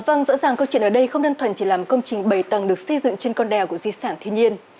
vâng rõ ràng câu chuyện ở đây không đơn thuần chỉ làm công trình bảy tầng được xây dựng trên con đèo của di sản thiên nhiên